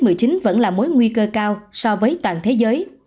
nhưng vẫn là mối nguy cơ cao so với toàn thế giới